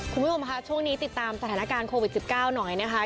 คุณผู้ชมค่ะช่วงนี้ติดตามสถานการณ์โควิด๑๙หน่อยนะคะ